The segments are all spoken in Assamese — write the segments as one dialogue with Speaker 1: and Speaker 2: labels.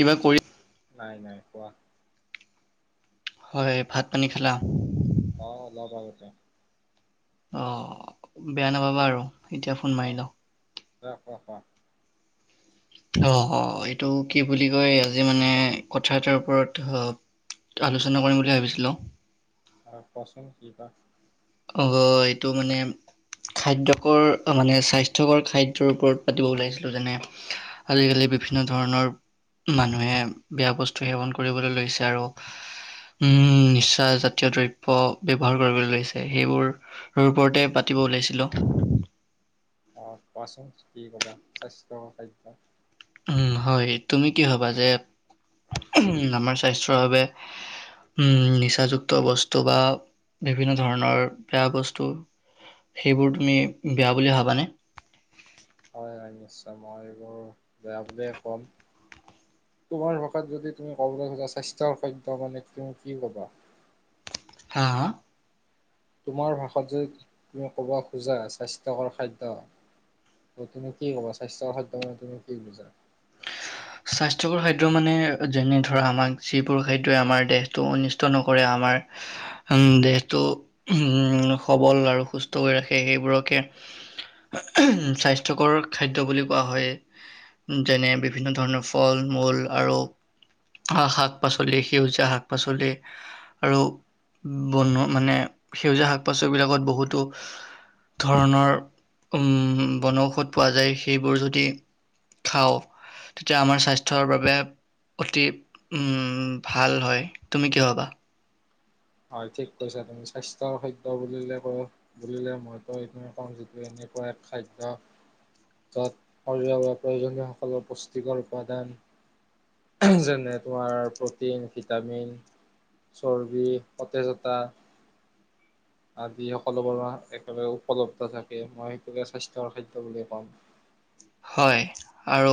Speaker 1: কিবা কৰি
Speaker 2: [inaudible]
Speaker 1: হয় ভাত পানী খালা?
Speaker 2: অ' অলপ আগতে
Speaker 1: অ' বেয়া নাপাবা আৰু এতিয়া ফোন মাৰি লও।
Speaker 2: তাৰ
Speaker 1: অ'-অ' এইটো কি বুলি কয় আজি মানে কথা এটাৰ ওপৰত আলোচনা কৰিম বুলি ভাবিছিলো।
Speaker 2: অহ কচোন কি কি।
Speaker 1: অহ এইটো মানে খাদ্যকৰ মানে স্বাস্থ্যকৰ খাদ্যৰ ওপৰত পাতিব ওলাইছিলো যেনে আজিকালি বিভিন্ন ধৰণৰ মানুহে বেয়া বস্তু সেৱন কৰিবলৈ লৈছে আৰু উম' নিচা জাতীয় দ্ৰব্য ব্যৱহাৰ কৰিবলৈ লৈছে। সেইবোৰ ওপৰতে পাতিব ওলাইছিলো।
Speaker 2: অ' কোৱাচোন কি কবা স্বাস্থ্যকৰ খাদ্য
Speaker 1: উম' হয়, তুমি কি ভবা যে উম আমাৰ স্বাস্থ্যৰ বাবে উম' নিচাযুক্ত বস্তু বা বিভিন্ন ধৰণৰ বেয়া বস্তু, সেইবোৰ তুমি বেয়া বুলি ভাবানে?
Speaker 2: হয়-হয় নিশ্চয় মই এইবোৰ বেয়া বুলিয়ে কম, তোমাৰ ভাষাত যদি তুমি কবলৈ যোৱা স্বাস্থ্যৰ খাদ্য মানে তুমি কি কবা?
Speaker 1: হা-হা।
Speaker 2: তোমাৰ ভাষত যদি তুমি ক'ব খোজা স্বাস্থ্যকৰ খাদ্য, তুমি কি ক'বা স্বাস্থ্যকৰ খাদ্য মানে তুমি কি বুজা?
Speaker 1: স্বাস্থ্যকৰ খাদ্য মানে যেনে ধৰা আমাক যিবোৰ খাদয়ই আমাৰ দেহটো অনিষ্ট নকৰে, আমাৰ উম দেহটো উম সবল আৰু সুস্থ কৰি ৰাখে, সেইবোৰকে স্বাস্থ্যকৰ খাদ্য বুলি কোৱা হয় যেনে বিভিন্ন ধৰণৰ ফল-মূল আৰু শাক-পাচলি, সেউজীয়া শাক-পাচলি আৰু বন মানে সেউজীয়া শাক-পাচলিবিলাকত বহুতো ধৰণৰ বনৌষধ পোৱা যায় সেইবোৰ যদি খাও তেতিয়া আমাৰ স্বাস্থ্যৰ বাবে অতি ভাল হয় তুমি কি ভবা।
Speaker 2: হয় ঠিক কৈছা তুমি, স্বাস্থ্যৰ খাদ্য বুলিলে ক বুলিলে মইতো এই কও যিটো এনেকুৱা এক খাদ্য য'ত শৰীৰৰ বাবে প্ৰয়োজনীয় সকলৰ পুষ্টিকৰ উপাদান যেনে তোমাৰ প্ৰটিন, ভিটামিন, চৰ্বি, সতেজতা আদি সকলোবোৰ একলগে উপলব্ধ থাকে, মই সেইটোকে স্বাস্থ্যৰ খাদ্য বুলিয়ে কম।
Speaker 1: হয় আৰু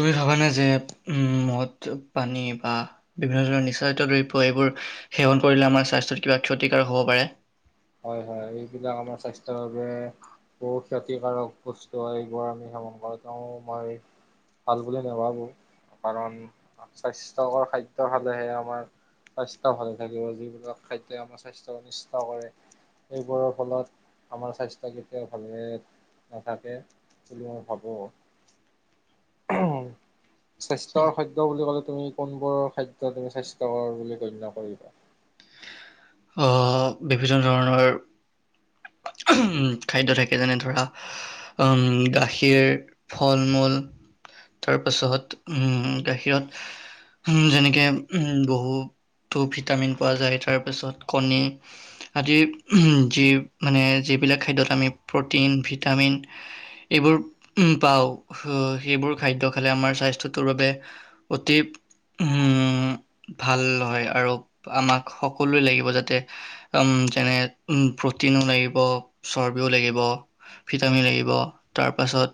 Speaker 1: তুমি ভাবানে যে উ মদ, পানী বা বিভিন্ন ধৰণৰ নিচাজাতীয় দ্ৰব্য এইবোৰ সেৱন কৰিলে আমাৰ স্বাস্থ্যত কিবা ক্ষতিকাৰক হ'ব পাৰে।
Speaker 2: হয়-হয় এইবিলাক আমাৰ স্বাস্থ্যৰ বাবে বহু ক্ষতিকাৰক বস্তু হয়, এইবোৰ আমি সেৱন কৰো, তেওঁ মই ভাল বুলি নাভাবো কাৰণ স্বাস্থ্যকৰ খাদ্য খালেহে আমাৰ স্বাস্থ্য ভালে থাকিব, যিবিলাক খাদ্য আমাৰ স্বাস্থ্য অনিষ্ট কৰে। এইবোৰৰ ফলত আমাৰ স্বাস্থ্য কেতিয়াও ভালৰে নাথাকে বুলি মই ভাবো। স্বাস্থ্যৰ খাদ্য বুলি ক'লে তুমি কোনবোৰ খাদ্য তুমি স্বাস্থ্যকৰ বুলি গণ্য কৰিবা।
Speaker 1: আহ বিভিন্ন ধৰণৰ উ খাদ্য থাকে যেনে ধৰা উ গাখীৰ ফল-মূল তাৰ পাছত উম গাখীৰত যেনেকে উ বহুো ভিটামিন পোৱা যায় তাৰ পাছত কণী আদি যি মানে যিবিলাক খাদ্যত আমি প্ৰটিন ভিটামিন এইবোৰ পাও, সেইবোৰ খাদ্য খালে আমাৰ স্বাস্থ্যটোৰ বাবে অতি ভাল হয় আৰু আমাক সকলোৱে লাগিব যাতে উ তে যেনে প্ৰ'টিনো লাগিব, চৰ্বীয়ো লাগিব, ভিটামিন লাগিব তাৰ পিছত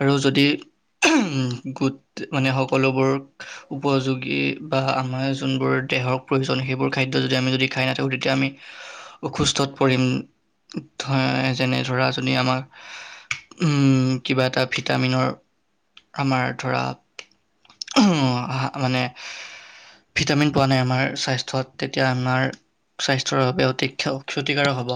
Speaker 1: আৰু যদি উহ উম সকলোবোৰ উপযোগী বা আমাৰ যোনবোৰ দেহত প্ৰয়োজন খাদ্য সেইবোৰ যদি আমি যদি খাই নাথাকো তেতিয়া আমি অসুস্থত পৰিম যেনে ধৰা যদি আমাৰ উ কিবা এটা ভিটামিনৰ আমাৰ ধৰা মানে ভিটামিন পোৱা নাই আমাৰ স্বাস্থ্যত তেতিয়া আমাৰ স্বাস্থ্যৰ বাবে অতি ক্ষ-ক্ষতিকাৰক হ'ব।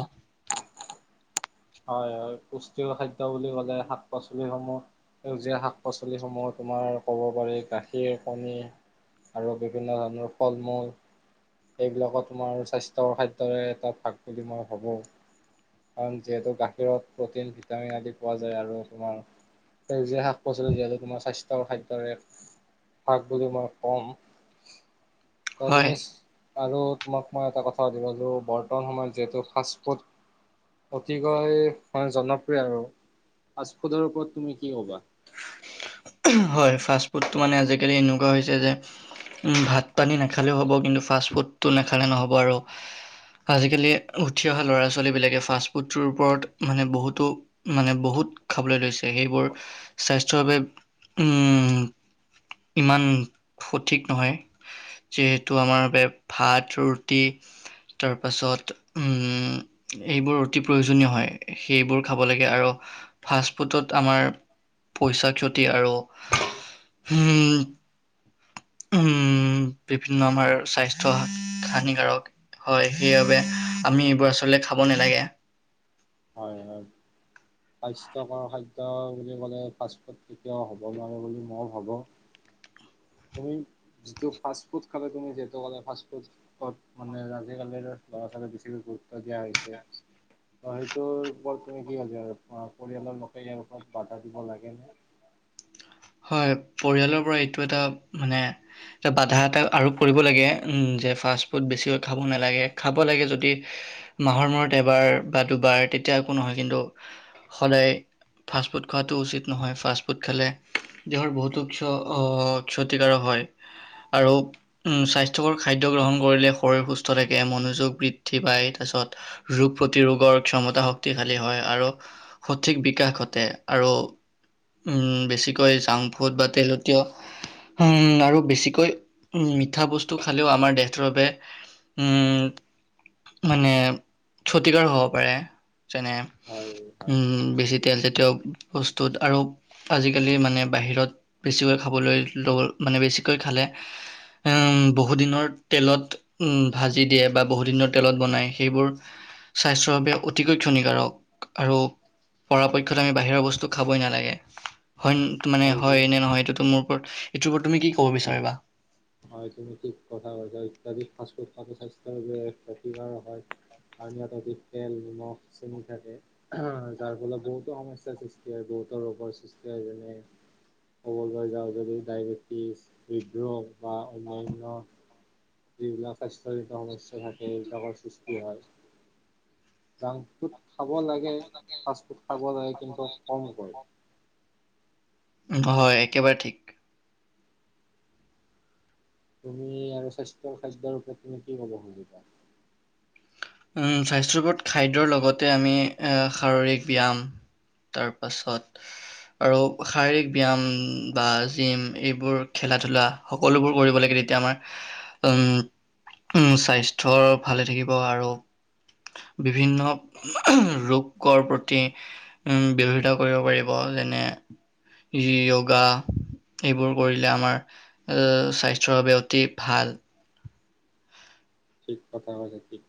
Speaker 2: হয় হয় পুষ্টিকৰ খাদ্য বুলি ক'লে শাক-পাচলিসমূহ, সেউজীয়া শাক-পাচলিসমূহ তোমাৰ ক'ব পাৰি গাখীৰ, কণী আৰু বিভিন্ন ধৰণৰ ফল-মূল এইবিলাকৰ তোমাৰ স্বাস্থ্যৰ খাদ্যৰে এটা ভাগ বুলি মই ভাবো কাৰণ যিহেতু গাখীৰত প্ৰটিন, ভিটামিন আদি পোৱা যায় আৰু তোমাৰ সেউজীয়া শাক পচলীয়া যিহেতু তোমাৰ স্বাস্থ্য। ৰ খাদ্যৰে ভাগ বুলি মই কম তই
Speaker 1: হয়
Speaker 2: তুমি আৰু তাক মই এটা কথাাতি ল বৰ্তমান সময়ত যিহেতু ফাষ্ট ফুড [unintelligible] অতিকৈ জনপ্ৰিয় আৰু পজফুডৰ ওপৰত তুমি কি ক'বা [unintelligible]
Speaker 1: হয় ফাষ্ট ফুড মানে আজিকালি এনেকুৱা হৈছে যে ভাত পানী নাখালেও হ'ব কিন্তু ফাষ্টফুডটো নাখালে নহ'ব আৰু আজিকালি উঠি অহা ল'ৰা ছোৱালীবিলাকে ফাষ্টফুডটোৰ ওপৰত মানে বহুতো মানে বহুত খাবলৈ লৈছে সেইবোৰ স্বাস্থ্যৰ বাবে [unintelligible] উম ইমান সঠিক নহয় যিহেতু আমাৰ ভাত ৰুটি তাৰ পাছত উম এইবোৰ ৰুটি প্ৰয়োজনীয় হয় সেইবোৰ খাব লাগে আৰু ফাষ্ট ফুডত আমাৰ পইচা ক্ষতি [unintelligible] আৰু হ উম বিভিন্ন আমাৰ স্বাস্থ্্য হানিকাৰক হয় সেইবাবে আমি এইবোৰ আচলতে খাব নালাগে [unintelligible]
Speaker 2: হয় হয় স্বাস্থ্যয়কৰ খাদ্য বুলি ক'লে ফাষ্টফুড কেতিয়াও হ'ব নোৱাৰে বুলি মই ভাবো তুমি যিটো ফাষ্টফুড খালে তুমি যিু কলে ফাফুডত মানে আজিকালিৰ ল'ৰা ছোৱালীয়ে বেছিকৈ গুৰুত্ব দিয়া হৈছে [unintelligible] ত বৰ তুমি কি হছ পৰিয়ালৰ লোকে ইয়াৰ ওপৰত বাধা দিব লাগে ন [unintelligible]
Speaker 1: হয় পৰিয়ালৰ পৰা এইটো এটা মানে এটা বাধা এটা আৰোপ কৰিব লাগে যে ফাষ্টফুড বেছিকৈ খাব নালাগে খাব লাগে যদি মাহৰ মূৰত এবাৰ বা দুবাৰ তেতিয়া একো নহয় কিন্তু সদায় ফাষ্টফুড খোৱাটো উচিত নহয় ফাষ্টফুড খালে দেহৰ বহুতো ক ক্ষতিকাৰক হয় আৰু উ স্বাস্থ্্যকৰ খাদ্য গ্ৰহণ কৰিলে শৰীৰ সুস্থ থাকে মনোযোগ বৃদ্ধি পায় তাৰপিছত ৰোগ প্ৰতিৰোগৰ ক্ষমতা শক্তিশালী হয় আৰু সঠিক বিকাশ ঘটে আৰু উম বেছিকৈ [unintelligible] াংফুট বা তেলতীয় উ আৰু বেছিকৈ উ মিঠা বস্তু খালেও আমাৰ দেহটোৰ বাবে উম মানে ক্ষতিকাৰ হ'ব পাৰে [unintelligible] যেনে
Speaker 2: হয় হয়
Speaker 1: উম বেছি তেতিয়া জাতীয় বস্তুত আৰু আজিকালি মানে বাহিৰত বেছিকৈ খাবলৈ মানে বেছিকৈ খালে বহুদিনৰ তেলত ভাজি দিয়ে বা বহুদিনৰ তেলত বনায় সেইবোৰ স্বাস্থ্যৰ বাবে অতিকৈ ক্ষণিকাৰক [unintelligible] আৰু পৰাপক্ষত আমি বাহিৰৰ বস্তু খাবই নালাগে হয় মানে হয় নে নহয় এইেইটোতো মোৰ ইটোৰ ওপৰত তুমি কি ক'ব বিচাৰিবা
Speaker 2: হয় তুমি ঠিক কথা কৈছা ইত্যাধিক ফাষ্টফুড পাতো স্বাস্থ্যৰ বাবে ক্ষতিকাৰক হয় কাৰ ইাত অধিক তেল নিমখ চেনি থাকে যাৰ ফলত বহুতো সমস্যাৰ সৃষ্টি হয় বহুতো ৰোগৰ সৃষ্টি হয় যেনে ক'বলৈ যাওঁ যদি ডায়বেটিছ হৃদৰোগ [unintelligible] বানন [unintelligible] যিবিলাক স্বাস্থ্যজনিত সমস্যা থাকে সেইবিলাকৰ সৃষ্টি হয় জাংটোত খাব লাগে ফাষ্টফুড খাব লাগে কিন্তু কমকৈ
Speaker 1: হয় একেবাৰে ঠিক
Speaker 2: তুমি আৰু স্বাস্থ্যৰ খাদ্যৰ ওপৰত তুমি কি ক'ব সুজিবা [unintelligible]
Speaker 1: স্বাস্থ্যৰ ওপৰত খাদ্যৰ লগতে আমি শাৰীৰিক ব্যায়াম তাৰ পাছত আৰু শাৰীৰিক ব্যায়াম বা জিম এইবোৰ খেলা ধূলা সকলোবোৰ কৰিব লাগে তেতিয়া আমাৰ স্বাস্থ্য ভালে থাকিব আৰু [unintelligible] বিভিন্ন ৰোগৰ প্ৰতি উম ব্যয়ধিতা কৰিব পাৰিব যেনে য়োগা এইবোৰ কৰিলে আমাৰ এ স্বাস্থ্যৰ বাবে অতি ভাল [unintelligible]
Speaker 2: ঠিক কথা ক িক [unintelligible]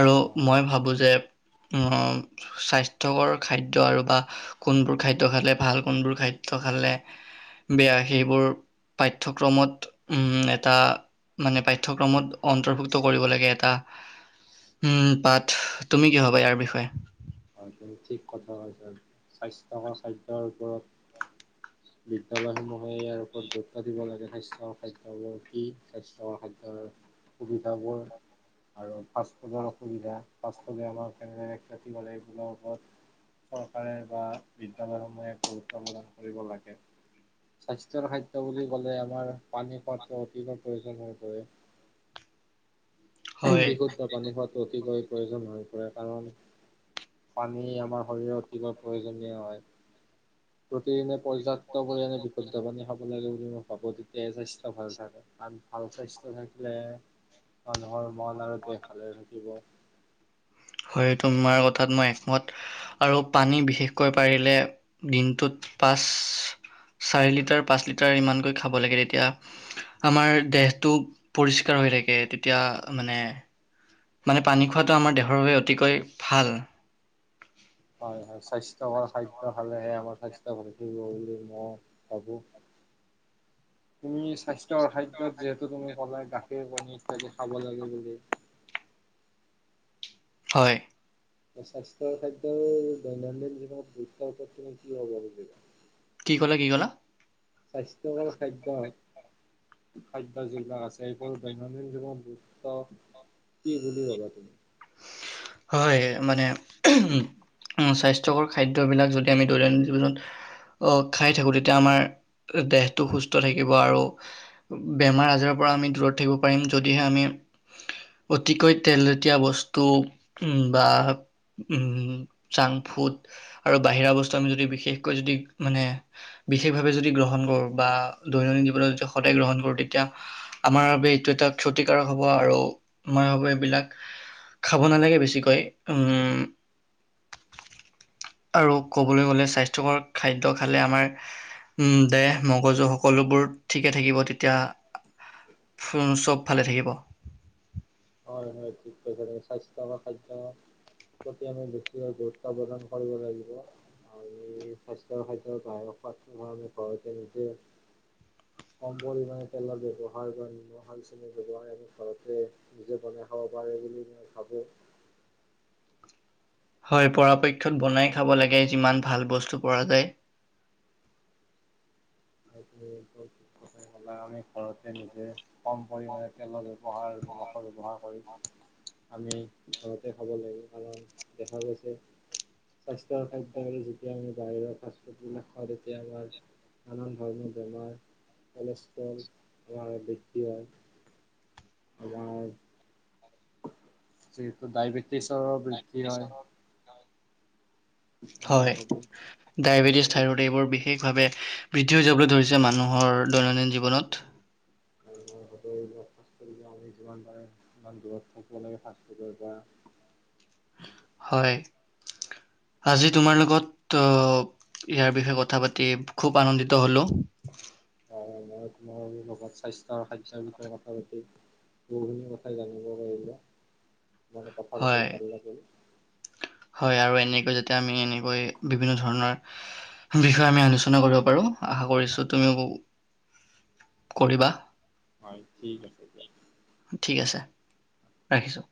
Speaker 1: আৰু মই ভাবো যে উ স্বাস্থ্্যকৰ খাদ্্য আৰু বা কোনবোৰ খাদ্য খালে ভাল কোনবোৰ খাদ্য খালে বেয়া সেইবোৰ পাঠ্যয়ক্ৰমত উম এটা মানে পাঠ্যয়ক্ৰমত অন্তৰ্ভুক্ত কৰিব লাগে এটা [unintelligible] উম পাঠ তুমি কি হবা ইয়াৰ বিষয়ে
Speaker 2: আৰু ঠিক কথা কছ স্বাস্থ্যকৰ খাদ্যৰ ওপৰত বিদ্যালয়সমূহে ইয়াৰ ওপৰত গুৰুত্ব দিব লাগে স্বাস্থ্যকৰ খাদ্যবোৰ কি স্বাস্থ্যকৰ খাদ্যৰ সুবিধাবোৰ আৰু ফাষ্টফুডৰ অসুবিধা ফাফুডে আমাৰ কেৰেতিব লাগ [unintelligible] ওপৰত চৰকাৰে বা বিদ্য়ালয় সমূহে গুৰুত্ব প্ৰদান কৰিব লাগে স্বাস্থ্যয়ৰ খাদ্্য বুলি কলে আমাৰ পানী পোৱাটো অতিকৈ প্ৰয়োজন হৈ পৰে [unintelligible]
Speaker 1: হয়
Speaker 2: বিশুদ্ধ পানী খোৱাতটো কি কয় প্ৰয়োজন হৈ পৰে কাৰণ পানী আমাৰ শৰীৰে অতিকৈ প্ৰয়োজনীয় হয় [unintelligible] প্ৰতিদিনে পৰ্যাপ্ত পৰিমাণে বিশুদ্ধ পানী খাব লাগিব [unintelligible] ই পাব তেতিয়া আ স ভাল থাকে কাৰ ভাল স্বাস্থ্য থাকিলে [unintelligible] হয় হয় মন আৰু তে ভালে থাকিব
Speaker 1: হয় তোমাৰ কথাত মই একমত আৰু পানী বিশেষকৈ পাৰিলে দিনটোত পাঁচ চাৰি লিটাৰ পাঁচ লিটাৰ ইমানকৈ খাব লাগে তেতিয়া আমাৰ দেহটো পৰিষ্কাৰ হৈ থাকে তেতিয়া মানে মানে পানী খোৱাটো আমাৰ দেহৰ বাবে অতিকৈ ভাল।
Speaker 2: হয়, হয় স্বাস্থ্যকৰ খাদ্য খালেহে আমাৰ স্বাস্থ্য ভাল ফব বুলি মই ভাবো, তুমি? স্বাস্থ্যৰ খাদ্যত যিহেতু তুমি কলায়ে। কাষে বন থাকে খাব লাগে বুলি।
Speaker 1: হয়।
Speaker 2: স্বাস্থৰ খাদ্যৰ দৈনন্দিন জীৱনত গুৰুতৰ ওপৰত তুমি কি হ'ব বুলিবা।
Speaker 1: কি ক'লা, কি ক'লা?
Speaker 2: স্বাস্থ্যয়কৰ খাদ্যয়, খাদ্য যিবিলাক আছে এইবোৰ দৈনন্দিন জীৱন গুৰুত্ব কি বুলি ভবা তুমি?
Speaker 1: হয় মানে উ, স্বাস্থ্যকৰ খাদ্যবিলাক যদি আমি দৈনন্দিন জীৱনত আহ খাই থাকো তেতিয়া আমাৰ দেহটো সুস্থ থাকিব। আৰু বেমাৰ আজাৰৰ পৰা আমি দূৰত থাকিব পাৰিম, যদিহে আমি অতিকৈ তেলজাতীয়া বস্তু টোপ বা উম জঙ্ক ফুট আৰু বাহিৰা বস্তু আমি যদি বিশেষকৈ যদি মানে বিশেষভাৱে যদি গ্ৰহণ কৰোঁ, বা দৈনন্দিন জীৱনত যদি সদায় গ্ৰহণ কৰোঁ, তেতিয়া আমাৰ বাবে এইটো এটা ক্ষতিকাৰক হ'ব আৰু মই ভ এইবিলাক খাব নালাগে বেছিকৈ। উম, আৰু ক'বলৈ গ'লে স্বাস্থ্যকৰ খাদ্য খালে আমাৰ দেহ মগজু সকলোবোৰ ঠিকে থাকিব, তেতিয়া চব ভালে থাকিব।
Speaker 2: হয়, হয় ঠিক তে স্বাস্থ্য খাদ্যয়ৰ প্ৰতি আমি বেছিকৈ গুৰুত্ব প্ৰদান কৰিব লাগিব আৰু স্বাস্থ্যয় খাদ্যৰ বাহক সোৱাদটো আমি ঘৰতে নিজে কম পৰিমাণে তেলৰ ব্যৱহাৰ বা নিমন সালচনিৰ ব্যৱহাৰ আমি ঘৰতে নিজে বনাই খাব পাৰে, বুলি মই ভাবোঁ।
Speaker 1: হয়, পৰাপক্ষত বনাই খাব লাগে, যিমান ভাল বস্তু পৰা যায়।
Speaker 2: লে আমি ঘৰতে নিজে কম পৰিমে তেলৰ ব্যৱহাৰ মসৰ ব্যৱহাৰ কৰি। আমি ঘৰতে খাব লাগিব। কাৰণ দেখা গৈছে, স্বাস্থ্যৰ খাদ্যয় আৰু যেতিয়া আমি বাহিৰৰ ফাষ্টফুডবিলাক খাওঁ, তেতিয়া আমাৰ নানান ধৰণৰ বেমাৰ কলেষ্ট্ৰল আমাৰ বৃদ্ধি হয়। আমাৰ দাই ব [inaudible] প্ৰতিচৰ বৃদ্ধি হয়। মই
Speaker 1: হয়,
Speaker 2: ভাবোঁ
Speaker 1: ডায়েবেটিছ
Speaker 2: আমি
Speaker 1: থাইৰড এইবোৰ বিশেষ। বিশেষভাৱে বৃদ্ধি হৈ যাবলৈ ধৰিছে মানুহৰ দৈনন্দিন জীৱনত।
Speaker 2: আৰু সতবিলাক স আমি যিমান পাৰে ইমান দূৰত থাকিব লাগে ফাৰ্ষ্ট-ফাফুডৰ পৰা।
Speaker 1: হয়। আজি তোমাৰ লগত ইয়াৰ বিষয়ে কথা পাতি খুব আনন্দিত হ'লোঁ।
Speaker 2: তোমাৰ লগত সস্বাস্থ্য আৰু খাদ্যৰ বিষয়ে কথা পাতি বহুখিনি কথাই জানিব পাৰিব।
Speaker 1: হয়, হয় আৰু এনেকৈ য এতিয়া আমি এনেকৈ বিভিন্ন ধৰণৰ বিষয়ে আমি আলোচনা কৰিব পাৰো আশা কৰিছো, তুমিও কৰিবা।
Speaker 2: হয়, ঠিক আছে দিয়া।
Speaker 1: ঠিক আছে ৰাখিছো।